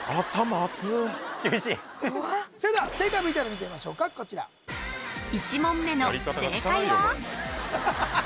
厳しいそれでは正解ＶＴＲ見てみましょうかこちら１問目の正解は？